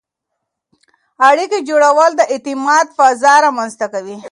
اړیکې جوړول د اعتماد فضا رامنځته کوي.